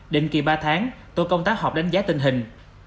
định kỳ ba tháng tổ công tác họp đánh giá tình hình